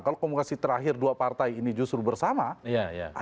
kalau komunikasi terakhir dua partai ini justru bersama